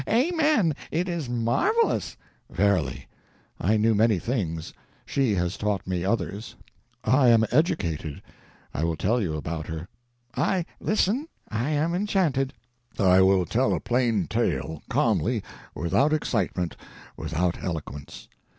"Amen. It is marvellous!" "Verily. I knew many things, she has taught me others. I am educated. I will tell you about her." "I listen—I am enchanted." "I will tell a plain tale, calmly, without excitement, without eloquence.